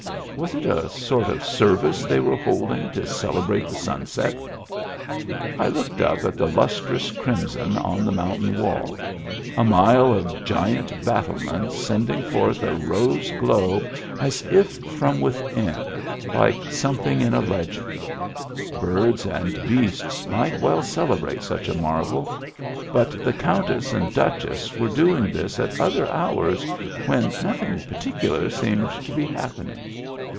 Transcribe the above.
Was it a sort of service they were holding to celebrate the sunset? I looked up at the lustrous crimson on the mountain wall — a mile of giant battlements sending forth a rose glow as if from within, like something in a legend; birds and beasts might well celebrate such a marvel — but the Countess and Duchess were doing this at other hours, when nothing particular seemed to be happening.